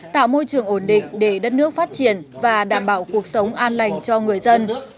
tạo môi trường ổn định để đất nước phát triển và đảm bảo cuộc sống an lành cho người dân